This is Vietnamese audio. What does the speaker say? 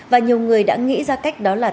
và nhiều người đã nghĩ ra cách đó là